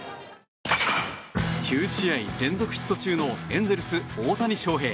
９試合連続ヒット中のエンゼルス、大谷翔平。